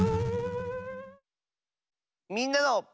みんなの。